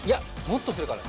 もっとするかな。